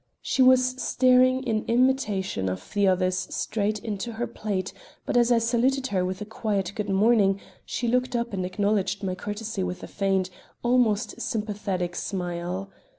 She was staring in imitation of the others straight into her plate, but as I saluted her with a quiet good morning, she looked up and acknowledged my courtesy with a faint, almost sympathetic, smile.